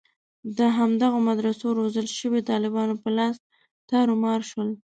د همدغو مدرسو روزل شویو طالبانو په لاس تارومار شول.